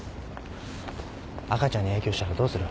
赤ちゃんに影響したらどうする？